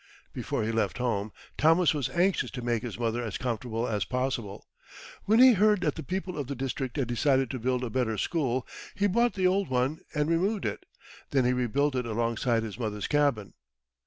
Before he left home, Thomas was anxious to make his mother as comfortable as possible. When he heard that the people of the district had decided to build a better school, he bought the old one, and removed it. Then he rebuilt it alongside his mother's cabin.